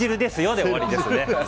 で終わりですね。